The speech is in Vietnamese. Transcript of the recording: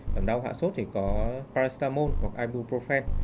làm đau hạ sốt thì có paracetamol hoặc ibuprofen